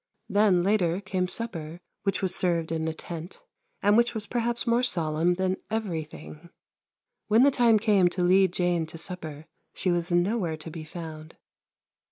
Then later came supper, which was served in a tent, and which was perhaps more solemn than everything. When the time came to lead Jane to supper she was nowhere to be found.